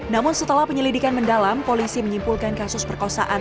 namun setelah penyelidikan mendalam polisi menyimpulkan kasus perkosaan